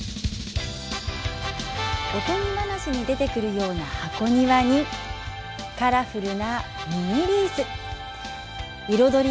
おとぎ話に出てくるような箱庭にカラフルなミニリース彩り